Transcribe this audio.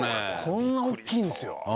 こんな大っきいんですよ。